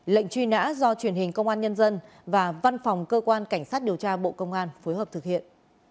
lệnh truy nã do truyền hình công an nhân dân và văn phòng cơ quan cảnh sát điều tra bộ công an phối hợp thực hiện